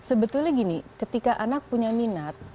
sebetulnya gini ketika anak punya minat